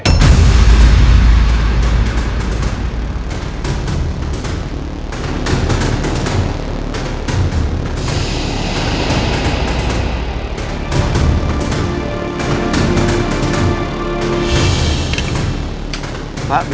nanti juga biarkan aja bu